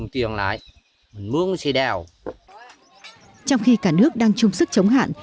trong khi cả nước đang chung sức chống hạn